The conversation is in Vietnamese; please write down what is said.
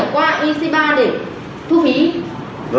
không phải thu phí